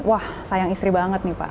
wah sayang istri banget nih pak